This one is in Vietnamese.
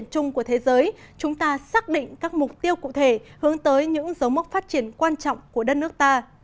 chúng ta xác định các mục tiêu cụ thể hướng tới những dấu mốc phát triển quan trọng của đất nước ta